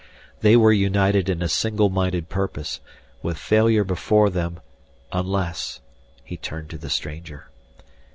They were united in a single minded purpose, with failure before them unless He turned to the stranger.